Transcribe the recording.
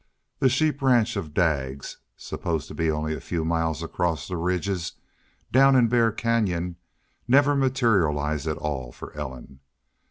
The sheep ranch of Daggs, supposed to be only a few miles across the ridges, down in Bear Canyon, never materialized at all for Ellen.